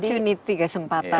opportunity ya sempatan yang terbuka